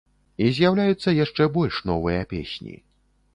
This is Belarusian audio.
І з'яўляюцца яшчэ больш новыя песні.